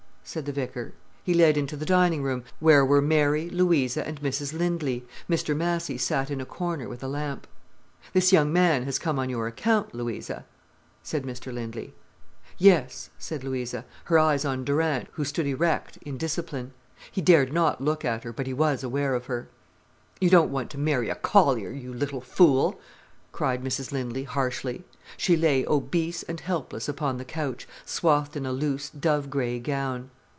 said the vicar. He led into the dining room, where were Mary, Louisa, and Mrs Lindley. Mr Massy sat in a corner with a lamp. "This young man has come on your account, Louisa?" said Mr Lindley. "Yes," said Louisa, her eyes on Durant, who stood erect, in discipline. He dared not look at her, but he was aware of her. "You don't want to marry a collier, you little fool," cried Mrs Lindley harshly. She lay obese and helpless upon the couch, swathed in a loose, dove grey gown.